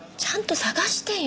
探してるよ。